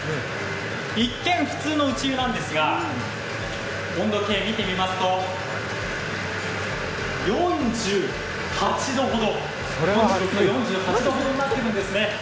一見、普通の内湯なんですが温度計、見てみますと４８度ほどになっているんですね。